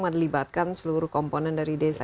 melibatkan seluruh komponen dari desa